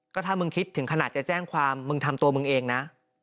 ก็ถ้ามึงคิดถึงขนาดจะแจ้งความมึงทำตัวมึงเองนะ